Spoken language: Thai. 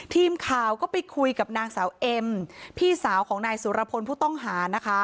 ทีมข่าวก็ไปคุยกับนางสาวเอ็มพี่สาวของนายสุรพลผู้ต้องหานะคะ